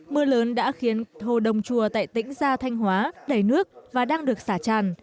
mưa lớn đã khiến hồ đồng chùa tại tĩnh gia thanh hóa đầy nước và đang được xả tràn